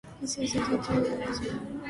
This is due to its glacial origins.